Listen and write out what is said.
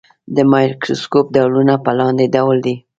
د مایکروسکوپ ډولونه په لاندې ډول دي.